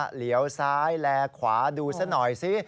เหลียวซ้ายแลขวาดูซะหน่อยสิ